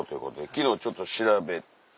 昨日ちょっと調べて。